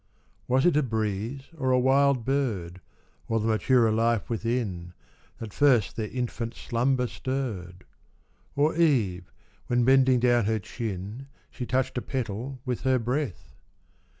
Was it a breeze or a wild bird, Or the maturer life within, That first their infant slumber stirred; Or Eve when bending down her chin She touched a petal with her breath